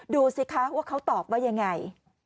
ดูสิคะว่าเขาตอบว่ายังไง